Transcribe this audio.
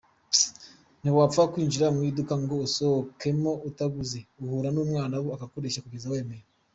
Ntiwapfa kwinjira mu iduka ngo usohokemo utaguze, uhura n’Umwarabu akakureshya kugeza wemeye.